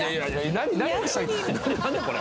何だこれ。